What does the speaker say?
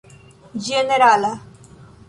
ĝenerala